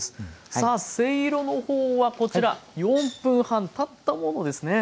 さあせいろのほうはこちら４分半たったものですね。